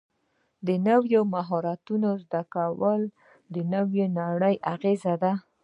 د نویو مهارتونو زده کول د نوې نړۍ اغېزې دي.